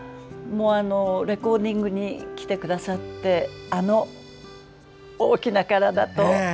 レコーディングに来てくださってあの大きな体と。